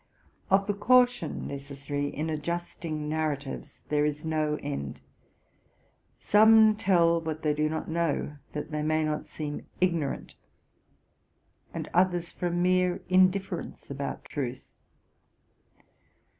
Of the caution necessary in adjusting narratives there is no end. Some tell what they do not know, that they may not seem ignorant, and others from mere indifference about truth.